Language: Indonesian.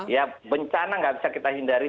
ya bencana nggak bisa kita hindari